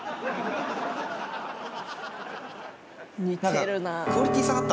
似てるな。